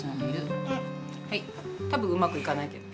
はい多分うまくいかないけど。